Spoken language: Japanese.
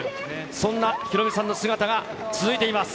そんなヒロミさんの姿が続いています。